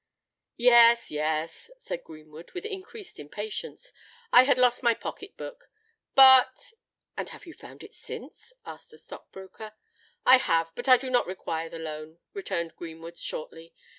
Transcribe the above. "Yes—yes," said Greenwood, with increased impatience; "I had lost my pocket book. But——" "And have you found it since?" asked the stock broker. "I have. But I do not require the loan," returned Greenwood, shortly.